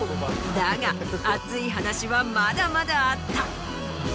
だが熱い話はまだまだあった。